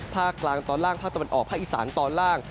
ภาคกลางตอนล่างภาคตะวันออกภาคอีสานตอนล่าง